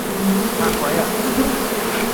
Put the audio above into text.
嚇鬼呀?